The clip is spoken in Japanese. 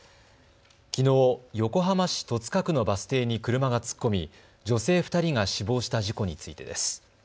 きのう、横浜市戸塚区のバス停に車が突っ込み女性２人が死亡した事故についてです。